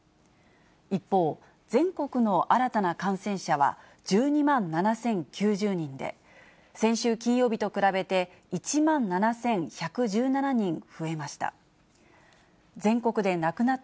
一方、全国の新たな感染者は１２万７０９０人で、先週金曜日と比べて１万７１１７人増えました。